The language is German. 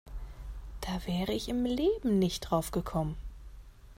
Da wäre ich im Leben nicht drauf gekommen.